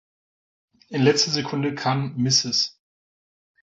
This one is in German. In letzter Sekunde kann Mrs.